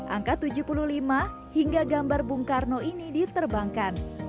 angka tujuh puluh lima hingga gambar bung karno ini diterbangkan